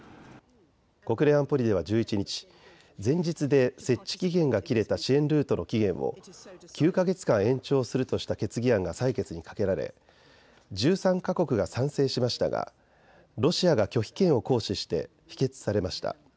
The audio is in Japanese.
国連安保理では１１日、前日で設置期限が切れた支援ルートの期限を９か月間延長するとした決議案が採決にかけられ１３か国が賛成しましたがロシアが拒否権を行使して否決されました。